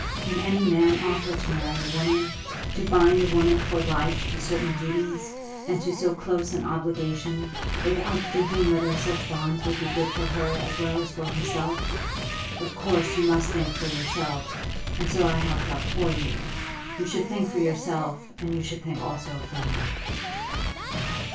Can any man offer to marry a woman, to bind a woman for life to certain duties, and to so close an obligation, without thinking whether such bonds would be good for her as well as for himself? Of course you must think for yourself; and so have I thought for you. You should think for yourself, and you should think also for me."